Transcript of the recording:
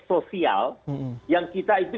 sosial yang kita itu